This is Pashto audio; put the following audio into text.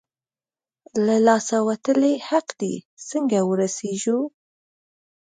له لاسه وتلی حق دی، څنګه ورسېږو؟